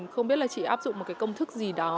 không biết là chỉ áp dụng một cái công thức gì đó